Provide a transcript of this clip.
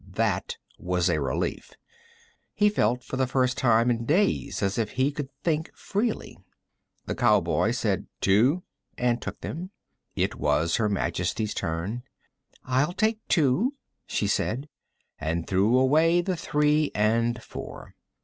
That was a relief. He felt, for the first time in days, as if he could think freely. The cowboy said: "Two," and took them. It was Her Majesty's turn. "I'll take two," she said, and threw away the three and four.